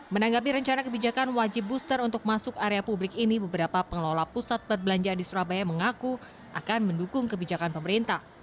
menanggapi rencana kebijakan wajib booster untuk masuk area publik ini beberapa pengelola pusat perbelanjaan di surabaya mengaku akan mendukung kebijakan pemerintah